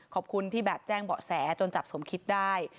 ขอบคุณที่แบบแจ้งเบาะแสจนจับสมคิดได้